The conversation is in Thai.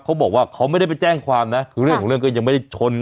เขาบอกว่าเขาไม่ได้ไปแจ้งความนะคือเรื่องของเรื่องก็ยังไม่ได้ชน